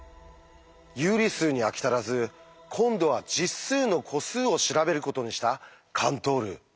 有理数に飽き足らず今度は「実数の個数」を調べることにしたカントール。